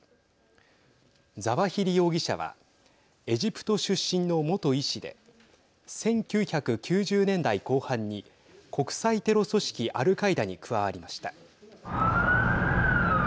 ザワヒリ容疑者はエジプト出身の元医師で１９９０年代後半に国際テロ組織アルカイダに加わりました。